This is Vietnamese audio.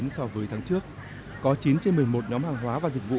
so với tháng trước có chín trên một mươi một nhóm hàng hóa và dịch vụ